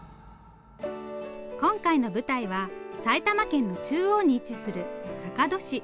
今回の舞台は埼玉県の中央に位置する坂戸市。